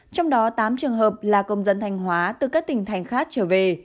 trong đó tám trường hợp là công dân thanh hóa từ các tỉnh thành khác trở về